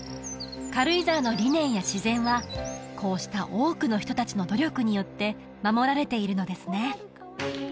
軽井沢の理念や自然はこうした多くの人達の努力によって守られているのですね